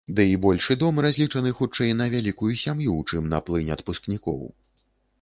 Дый большы дом разлічаны хутчэй на вялікую сям'ю, чым на плынь адпускнікоў.